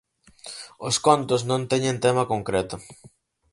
Os contos non teñen tema concreto.